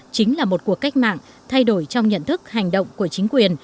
chính là một cuộc cách mạng thay đổi trong nhận thức hành động của chính quyền